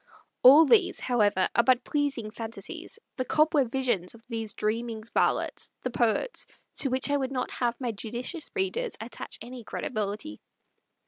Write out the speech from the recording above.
All these, however, are but pleasing fantasies, the cobweb visions of those dreaming varlets, the poets, to which I would not have my judicious readers attach any credibility.